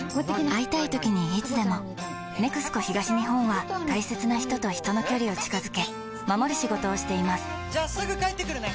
会いたいときにいつでも「ＮＥＸＣＯ東日本」は大切な人と人の距離を近づけ守る仕事をしていますじゃあすぐ帰ってくるね！